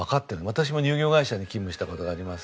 私も乳業会社に勤務した事がありますけど。